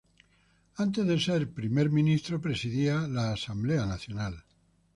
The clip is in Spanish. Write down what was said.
Antes de ser primer ministro presidía la Asamblea Nacional.